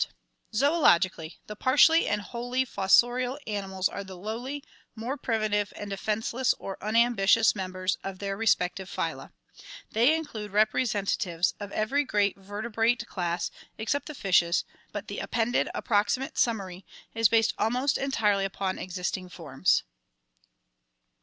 Zodlogic, — Zoologically, the partially and wholly fossorial ani mals are the lowly, more primitive and defenseless or unambitious members of their respective phvla. They include representatives of every great vertebrate class except the fishes, but the appended approximate summary is based almost entirely upon existing forms.